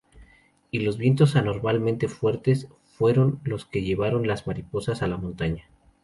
Y los vientos anormalmente fuertes fueron los que llevaron las mariposas a la montaña.